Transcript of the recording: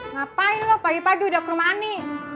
ngapain lo pagi pagi udah ke rumah ani